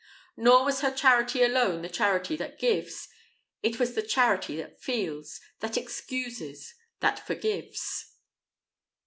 Nor was her charity alone the charity that gives; it was the charity that feels, that excuses, that forgives.